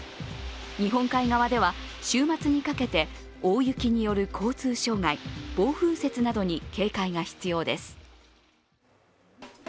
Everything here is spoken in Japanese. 日本海側では週末にかけて大雪による交通障害暴風雪などに警戒が必要です。